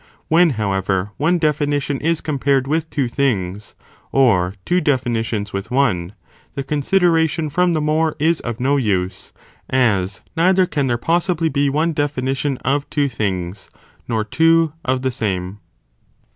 When however, one definition is compared with two things, or two definitions with one, the consideration from the more is of no use, as neither can there possibly be one definition of two things, nor two of the same.